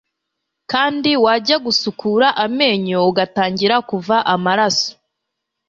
kandi wajya gusukura amenyo ugatangira kuva amaraso,